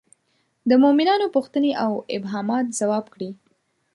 د مومنانو پوښتنې او ابهامات ځواب کړي.